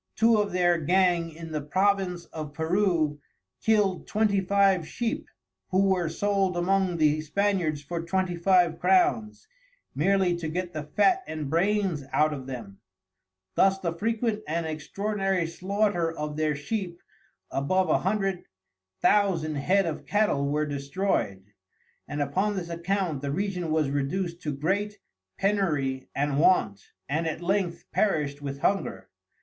Two of their gang in the Province of Peru kild Twenty Five Sheep, who were sold among the Spaniards for Twenty Five Crowns, merely to get the fat and brains out of them: Thus the frequent and extraordinary Slaughter of their Sheep above a Hundred Thousand Head of Cattel were destroy'd. And upon this Account the Region was reduced to great penury and want, and at length perished with Hunger.